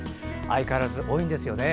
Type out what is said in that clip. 相変わらず多いんですよね。